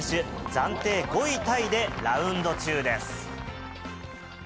暫定５位タイでラウンド中です。